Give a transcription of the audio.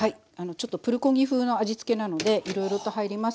ちょっとプルコギ風の味つけなのでいろいろと入ります。